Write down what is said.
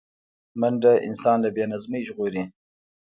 منډه انسان له بې نظمۍ ژغوري